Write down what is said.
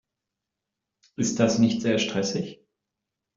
Ist das nicht sehr stressig?